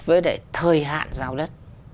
với thời hạn giao đất